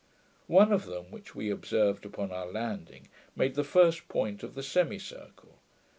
One of them, which we observed upon our landing, made the first point of the semicircle.